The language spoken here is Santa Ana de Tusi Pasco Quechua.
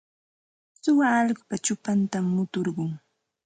Suwa allqupa chupantam muturqun.